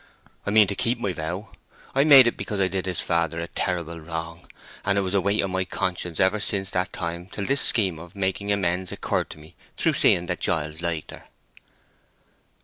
I mean to keep my vow. I made it because I did his father a terrible wrong; and it was a weight on my conscience ever since that time till this scheme of making amends occurred to me through seeing that Giles liked her."